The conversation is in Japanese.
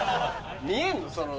見えんの？